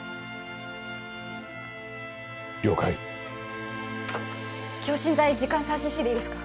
了解強心剤時間３ｃｃでいいですか